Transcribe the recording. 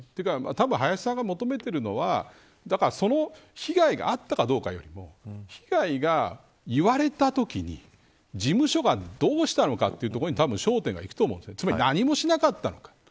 一番大事なのはたぶん林さんが求めているのはその被害があったかどうかよりも被害が言われたときに事務所がどうしたのかというところに焦点がいくと思うんです。